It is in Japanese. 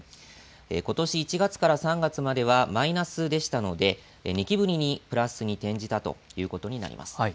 ことし１月から３月まではマイナスでしたので２期ぶりにプラスに転じたということになります。